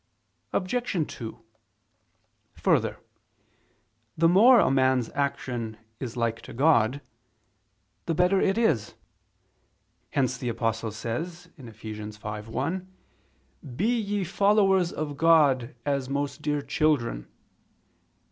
Obj. 2: Further, the more a man's action is like to God, the better it is: hence the Apostle says (Eph. 5:1): "Be ye followers of God, as most dear children."